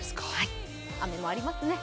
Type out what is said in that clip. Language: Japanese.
雨もありますね。